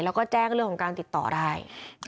แล้วก็แจ้งเรื่องของการติดต่อได้